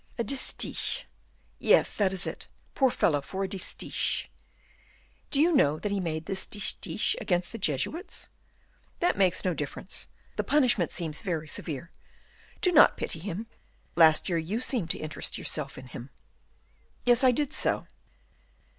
"A distich." "Yes; that is it." "Poor fellow; for a distich." "Do you know that he made this distich against the Jesuits?" "That makes no difference; the punishment seems very severe. Do not pity him; last year you seemed to interest yourself in him." "Yes, I did so."